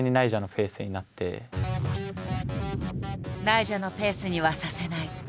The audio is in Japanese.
「ナイジャのペースにはさせない」。